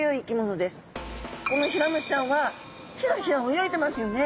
このヒラムシちゃんはヒラヒラ泳いでますよね。